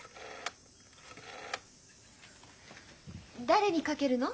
誰にかけるの？